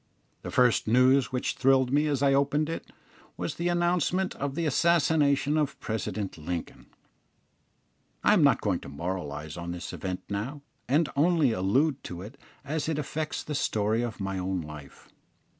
The first news which thrilled me as I opened it was the announcement of the assassination of President Lincoln. I am not going to moralise on this event now, and only allude to it as it affects the story of my own life.